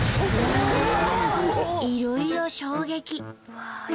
いろいろ衝撃。